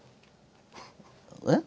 えっ？